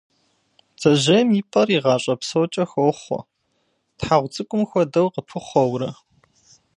Бдзэжьейм и пӏэр и гъащӏэ псокӏэ хохъуэ, тхьэгъу цӏыкӏум хуэдэу къыпыхъуэурэ.